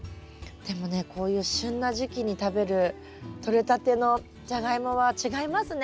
でもねこういう旬な時期に食べるとれたてのジャガイモは違いますね。